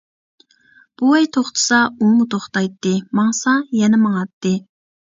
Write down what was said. بوۋاي توختىسا ئۇمۇ توختايتتى، ماڭسا يەنە ماڭاتتى.